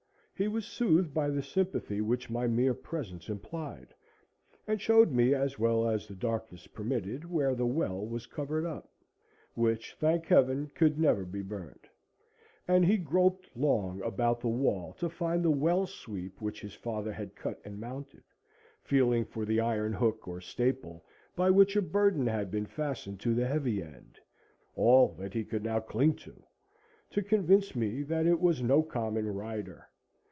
He was soothed by the sympathy which my mere presence implied, and showed me, as well as the darkness permitted, where the well was covered up; which, thank Heaven, could never be burned; and he groped long about the wall to find the well sweep which his father had cut and mounted, feeling for the iron hook or staple by which a burden had been fastened to the heavy end,—all that he could now cling to,—to convince me that it was no common "rider."